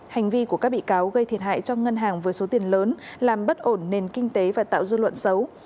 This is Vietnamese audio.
hành vi của các bị cáo gây thiệt hại cho ngân hàng với số tiền lớn làm bất ổn nền kinh tế và tạo dư luận xấu